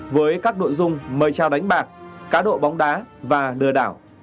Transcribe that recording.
với các nội dung mời trao đánh bạc cá độ bóng đá và lừa đảo